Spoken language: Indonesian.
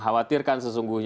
kalau kita lihat kemudian